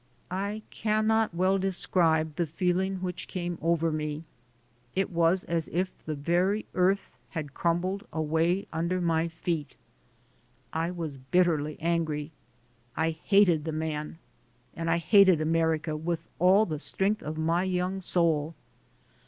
I cannot well describe the feeling which came over me. It was as if the very earth had crumbled away under my feet; I was bitterly angry; I hated the man and I hated America with all the strength of my young soul.